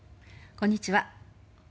こんにちは。